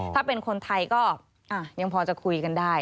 ถ้าเป็นคนไทยก็ยังพอจะคุยกันได้